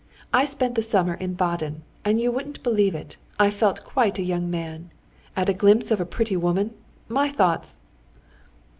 "I spent the summer in Baden, and you wouldn't believe it, I felt quite a young man. At a glimpse of a pretty woman, my thoughts....